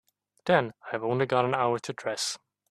Then I've only got an hour to dress.